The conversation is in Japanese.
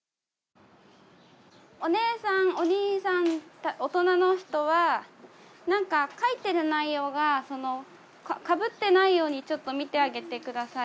お姉さんお兄さん大人の人はなんか書いている内容がかぶってないようにちょっと見てあげてください。